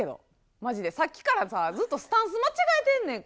まじで、さっきからさ、ずっとスタンス間違えてんねんか。